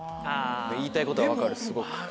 言いたいことは分かるすごく。